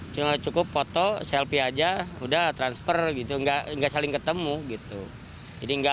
cuma cukup foto selfie aja udah transfer gitu enggak enggak saling ketemu gitu jadi enggak